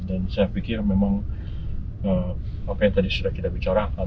dan saya pikir memang apa yang tadi sudah kita bicarakan